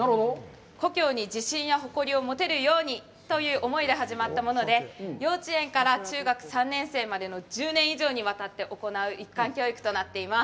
故郷に自信や誇りを持てるようにという思いで始まったもので、幼稚園から中学３年生までの１０年以上にわたって行う一貫教育となっています。